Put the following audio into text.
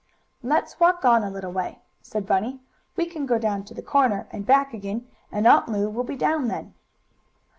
"Let's walk on a little way," said Bunny. "We can go down to the corner, and back again, and Aunt Lu will be down then."